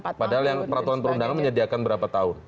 padahal yang peraturan perundangan menyediakan berapa tahun